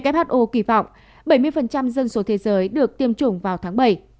who kỳ vọng bảy mươi dân số thế giới được tiêm chủng vào tháng bảy